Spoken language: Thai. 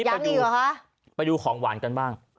คราวนี้ประดูกของหวานกันบ้าง